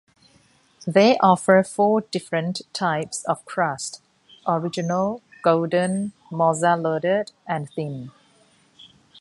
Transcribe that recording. They offer four different types of crust: Original, Golden, Mozza-Loaded, and Thin.